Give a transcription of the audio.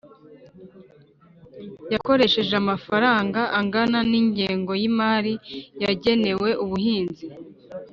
yakoresheje amafaranga angana nay ingengo y imari yagenewe ubuhinzi